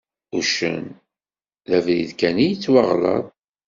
Uccen d abrid kan i yettwaɣlaḍ.